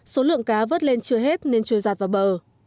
số lượng cá vớt lên chưa hết nên trôi giạt vào bờ